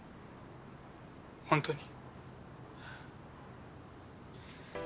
本当に。